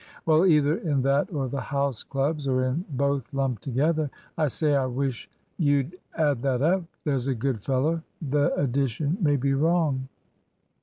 "Well, either in that or the House clubs, or in both lumped together. I say, I wish you'd add that up, there's a good fellow. The addition may be wrong."